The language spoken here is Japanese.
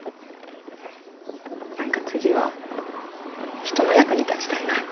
うん何か次は人の役に立ちたいな。